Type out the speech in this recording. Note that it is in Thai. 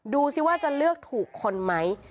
ดูสิว่าจะเลือกถูกคนไหม